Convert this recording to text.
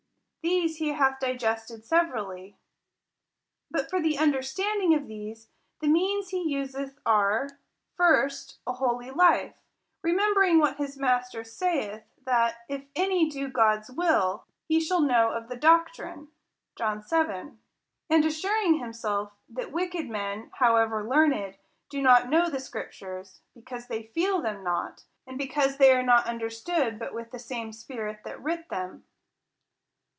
These he hath digested severally. But for the understanding of these, the means he useth are — First, a holy life ; remembering what his Master saith, that if any do God's will, he shall know of 12 THE COUNTRY PARSON. the doctrine (John vii.) ; and assuring himself, that wick ed men, however learned, do not know the scriptures, because they feel them not, and because they are not understood but with the same Spirit that writ them.